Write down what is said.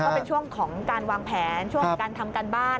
ก็เป็นช่วงของการวางแผนช่วงของการทำการบ้าน